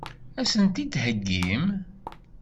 Ad sent-t-id-theggim?